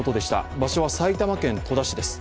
場所は埼玉県戸田市です。